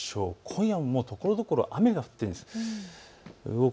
今夜もところどころ雨が降っています。